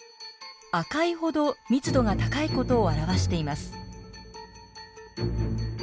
赤い程密度が高いことを表しています。